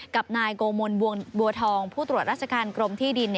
กับนายโกมลบัวทองผู้ตรวจราชการกรมที่ดิน